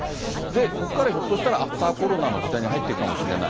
ここからひょっとしたら、アフターコロナの時代に入っていくかもしれない。